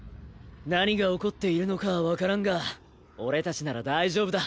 何が起こっているのかは分からんが俺達なら大丈夫だ